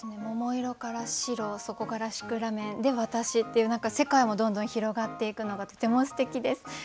桃色から白そこからシクラメンで私っていう何か世界もどんどん広がっていくのがとてもすてきです。